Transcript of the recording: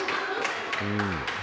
うん。